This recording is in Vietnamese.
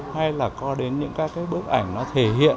hay là có đến những các cái bức ảnh nó thể hiện